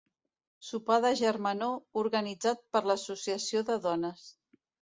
Sopar de germanor, organitzat per l'Associació de Dones.